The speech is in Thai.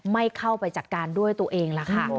ไม่เข้าไปจัดการด้วยตัวเองล่ะค่ะ